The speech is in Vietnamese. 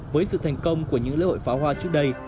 với sự thành công của những lễ hội phá hoa trước đây